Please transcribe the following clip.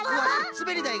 すべりだい。